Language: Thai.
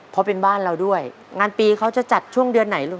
เพราะเป็นบ้านเราด้วยงานปีเขาจะจัดช่วงเดือนไหนลูก